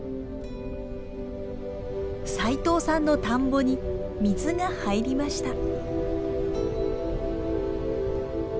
齋藤さんの田んぼに水が入りました。